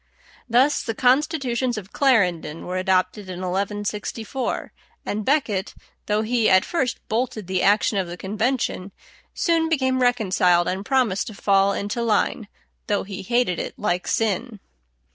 Thus the "Constitutions of Clarendon" were adopted in 1164, and Becket, though he at first bolted the action of the convention, soon became reconciled and promised to fall into line, though he hated it like sin.